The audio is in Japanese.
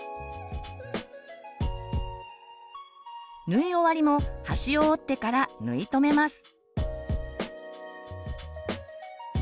縫い終わりも端を折ってから縫い留めます。